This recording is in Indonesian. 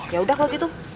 ya udah kalau gitu